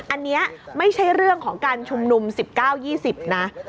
อันนี้ไม่ใช่เรื่องของการชุมนุม๑๙๒๐นะ